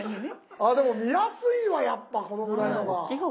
あっでも見やすいわやっぱこのぐらいのが。